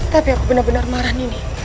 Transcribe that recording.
tapi aku benar benar marah ini